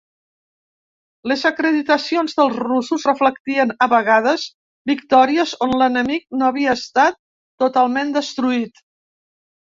Les acreditacions dels russos reflectien a vegades victòries on l'enemic no havia estat totalment destruït.